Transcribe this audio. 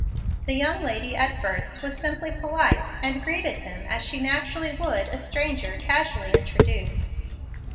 The young lady at first was simply polite, and greeted him as she naturally would a stranger casually introduced.